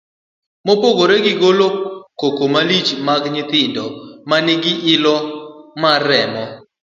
Mopogore gi golo koko malich mag nyithindo ma nigi ilo mar remo